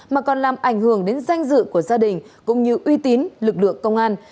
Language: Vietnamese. mà còn làm ảnh hưởng đến danh dự của gia đình cũng như uy tín lực lượng công an